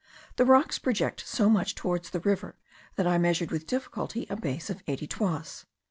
The rocks project so much towards the river that I measured with difficulty a base of eighty toises.